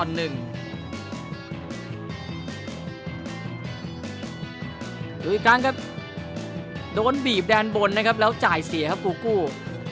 ดูอีกครั้งครับโดนบีบแดนบนนะครับแล้วจ่ายเสียครับกูกู้